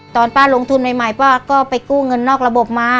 ตอนป้าลงทุนใหม่ป้าก็ไปกู้เงินนอกระบบมา